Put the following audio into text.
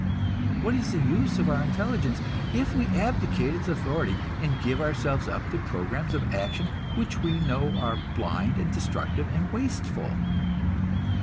What is the use of our intelligence, if we abdicate its authority, and give ourselves up to programs of action which we know are blind and destructive and wasteful?